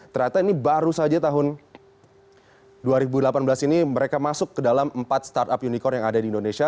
ternyata ini baru saja tahun dua ribu delapan belas ini mereka masuk ke dalam empat startup unicorn yang ada di indonesia